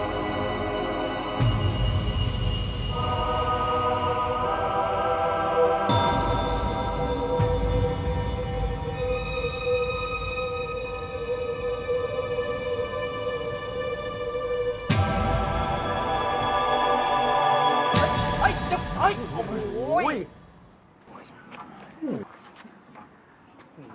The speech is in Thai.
พี่สาวคนสวยช่วยด้วยสิคะ